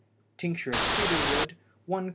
Tincture of cedar wood 1 qt.